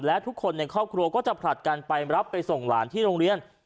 และทุกคนในครอบครัวก็จะผลัดกันไปรับไปส่งหลานที่โรงเรียน